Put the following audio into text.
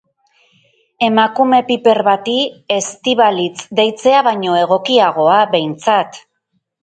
Emakume piper bati Eztibalitz deitzea baino egokiagoa da, behintzat.